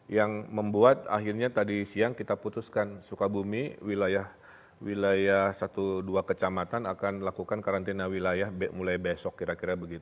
yang membuat akhirnya tadi siang kita putuskan sukabumi wilayah satu dua kecamatan akan lakukan karantina wilayah mulai besok kira kira begitu